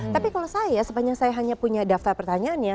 tapi kalau saya sepanjang saya hanya punya daftar pertanyaannya